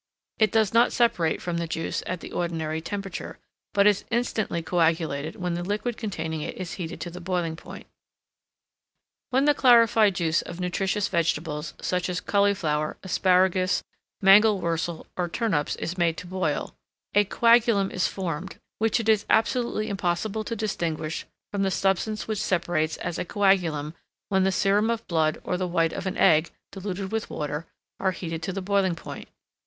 It does not separate from the juice at the ordinary temperature, but is instantly coagulated when the liquid containing it is heated to the boiling point. When the clarified juice of nutritious vegetables, such as cauliflower, asparagus, mangelwurzel, or turnips, is made to boil, a coagulum is formed, which it is absolutely impossible to distinguish from the substance which separates as a coagulum, when the serum of blood, or the white of an egg, diluted with water, are heated to the boiling point.